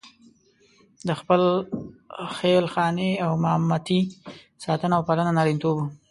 د خپلې خېل خانې او مامتې ساتنه او پالنه نارینتوب وو.